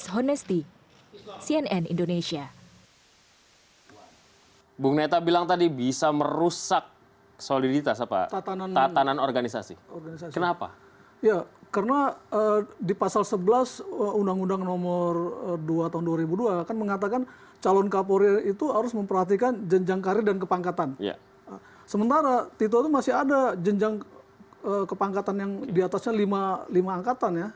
jenderal badrodin haiti masih ada jenjang kepangkatan yang diatasnya lima angkatan